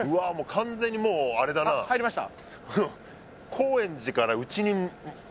完全にもうあれだなあっ入りました？